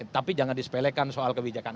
tapi jangan disepelekan soal kebijakan